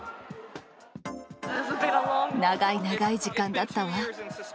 長い長い時間だったわ。